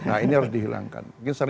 nah ini harus dihilangkan